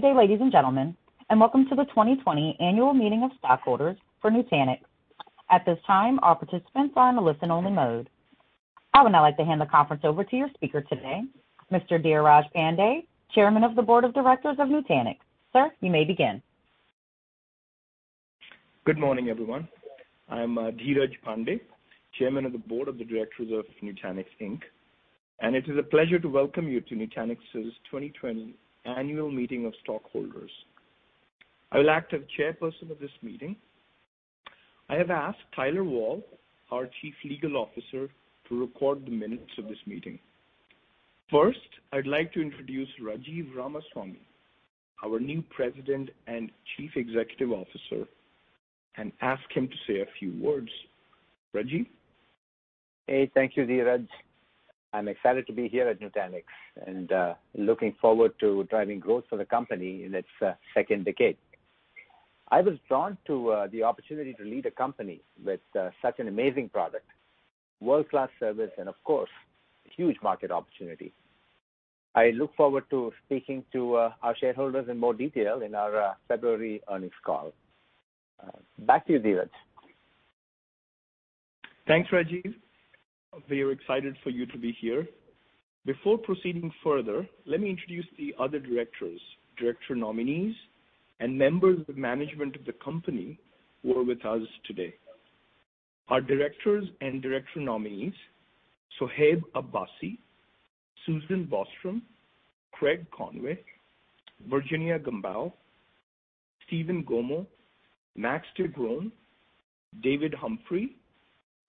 Good day, ladies and gentlemen, and welcome to the 2020 Annual Meeting of Stockholders for Nutanix. At this time, all participants are on a listen-only mode. I would now like to hand the conference over to your speaker today, Mr. Dheeraj Pandey, Chairman of the Board of Directors of Nutanix. Sir, you may begin. Good morning, everyone. I am Dheeraj Pandey, Chairman of the Board of Directors of Nutanix, and it is a pleasure to welcome you to Nutanix's 2020 Annual Meeting of Stockholders. I will act as Chairperson of this meeting. I have asked Tyler Wall, our Chief Legal Officer, to record the minutes of this meeting. First, I'd like to introduce Rajiv Ramaswami, our new President and Chief Executive Officer, and ask him to say a few words. Rajiv? Hey, thank you, Dheeraj. I'm excited to be here at Nutanix and looking forward to driving growth for the company in its second decade. I was drawn to the opportunity to lead a company with such an amazing product, world-class service, and, of course, huge market opportunity. I look forward to speaking to our shareholders in more detail in our February earnings call. Back to you, Dheeraj. Thanks, Rajiv. We are excited for you to be here. Before proceeding further, let me introduce the other directors, director nominees, and members of management of the company who are with us today. Our directors and director nominees: Sohaib Abbasi, Susan Bostrom, Craig Conway, Virginia Gambale, Stephen Gomo, Max de Groen, David Humphrey,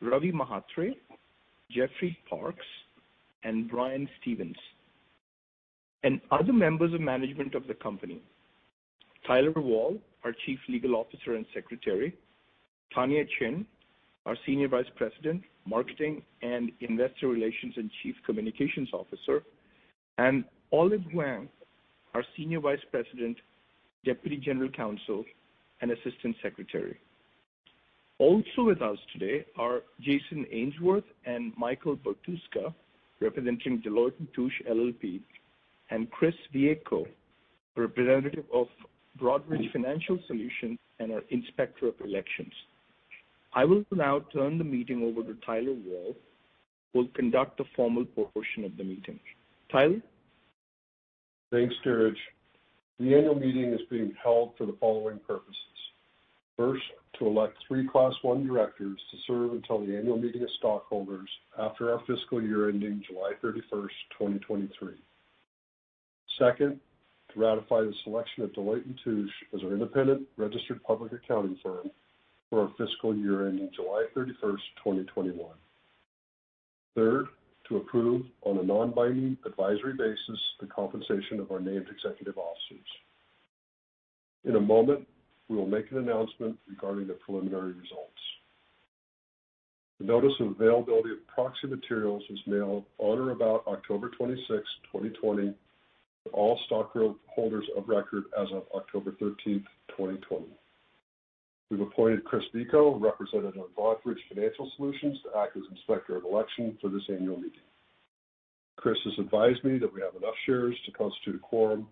Ravi Mhatre, Jeffrey Parks, and Brian Stevens. Other members of management of the company: Tyler Wall, our Chief Legal Officer and Secretary; Tonya Chin, our Senior Vice President, Marketing and Investor Relations and Chief Communications Officer; and Olive Huang, our Senior Vice President, Deputy General Counsel, and Assistant Secretary. Also with us today are Jason Ainsworth and Michael Bartuska, representing Deloitte & Touche LLP, and Chris Viecco, representative of Broadridge Financial Solutions and our Inspector of Elections. I will now turn the meeting over to Tyler Wall, who will conduct the formal portion of the meeting. Tyler? Thanks, Dheeraj. The annual meeting is being held for the following purposes: first, to elect three Class I directors to serve until the annual meeting of stockholders after our fiscal year ending July 31, 2023. Second, to ratify the selection of Deloitte & Touche as our independent registered public accounting firm for our fiscal year ending July 31, 2021. Third, to approve, on a non-binding advisory basis, the compensation of our named executive officers. In a moment, we will make an announcement regarding the preliminary results. The notice of availability of proxy materials was mailed on or about October 26, 2020, to all stockholders of record as of October 13, 2020. We've appointed Chris Viecco, representative of Broadridge Financial Solutions, to act as Inspector of Elections for this annual meeting. Chris has advised me that we have enough shares to constitute a quorum.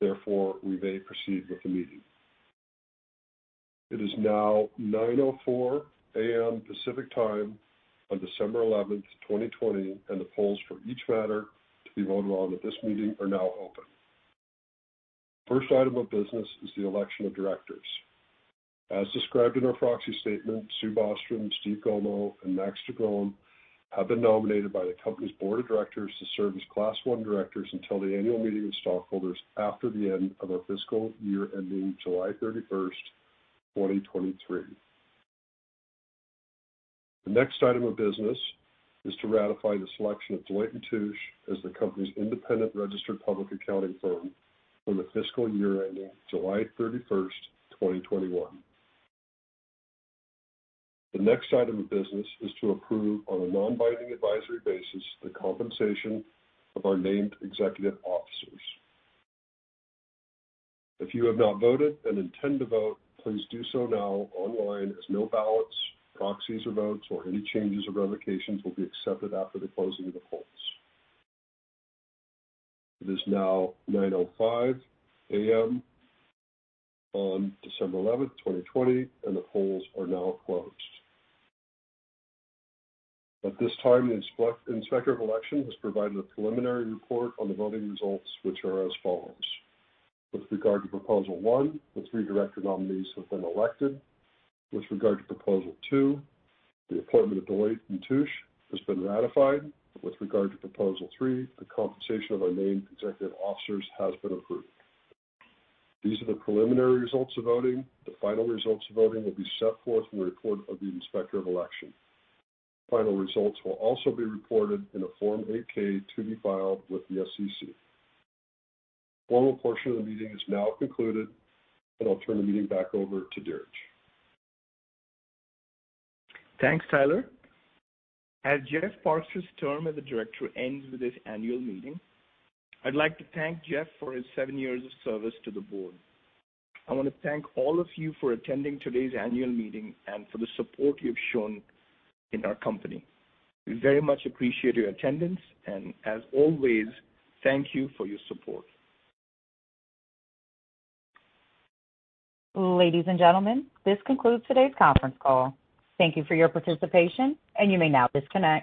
Therefore, we may proceed with the meeting. It is now 9:04 A.M. Pacific Time on December 11, 2020, and the polls for each matter to be voted on at this meeting are now open. First item of business is the election of directors. As described in our proxy statement, Sue Bostrom, Stephen Gomo, and Max de Groen have been nominated by the company's Board of Directors to serve as Class I directors until the annual meeting of stockholders after the end of our fiscal year ending July 31, 2023. The next item of business is to ratify the selection of Deloitte & Touche as the company's independent registered public accounting firm for the fiscal year ending July 31, 2021. The next item of business is to approve, on a non-binding advisory basis, the compensation of our named executive officers. If you have not voted and intend to vote, please do so now online as no ballots, proxies, or votes, or any changes or revocations will be accepted after the closing of the polls. It is now 9:05 A.M. on December 11, 2020, and the polls are now closed. At this time, the Inspector of Elections has provided a preliminary report on the voting results, which are as follows: with regard to Proposal One, the three director nominees have been elected. With regard to Proposal Two, the appointment of Deloitte & Touche has been ratified. With regard to Proposal Three, the compensation of our named executive officers has been approved. These are the preliminary results of voting. The final results of voting will be set forth in the report of the Inspector of Elections. Final results will also be reported in a Form 8-K to be filed with the SEC. The formal portion of the meeting is now concluded, and I'll turn the meeting back over to Dheeraj. Thanks, Tyler. As Jeff Parks' term as a director ends with this annual meeting, I'd like to thank Jeff for his seven years of service to the board. I want to thank all of you for attending today's annual meeting and for the support you've shown in our company. We very much appreciate your attendance, and as always, thank you for your support. Ladies and gentlemen, this concludes today's conference call. Thank you for your participation, and you may now disconnect.